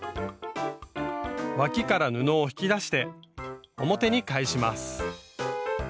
脇から布を引き出して表に返します。